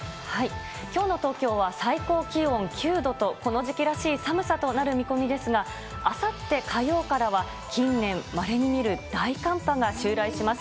きょうの東京は最高気温９度と、この時期らしい寒さとなる見込みですが、あさって火曜からは、近年まれに見る大寒波が襲来します。